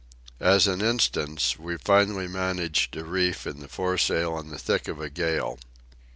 As an instance, we finally managed a reef in the foresail in the thick of a gale.